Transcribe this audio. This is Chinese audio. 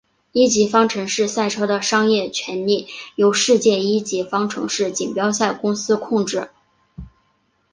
一级方程式赛车的商业权利由世界一级方程式锦标赛公司控制。